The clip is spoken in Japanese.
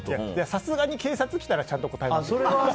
さすがに警察が来たらちゃんと答えますよ。